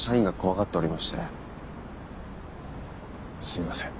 すいません。